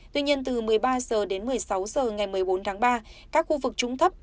tuy nhiên từ một mươi ba h đến một mươi sáu h ngày một mươi bốn tháng ba các khu vực trúng thấp